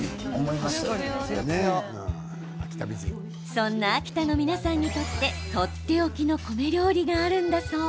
そんな秋田の皆さんにとってとっておきの米料理があるんだそう。